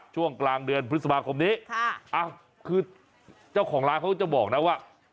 ช่วงกลางเดือนพฤษภาคมนี้คือเจ้าของร้านเขาก็จะบอกนะว่า